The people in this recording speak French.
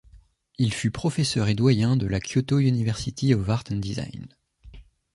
Il fut professeur et doyen de la Kyoto University of Art and Design.